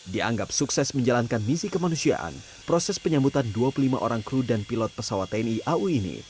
dianggap sukses menjalankan misi kemanusiaan proses penyambutan dua puluh lima orang kru dan pilot pesawat tni au ini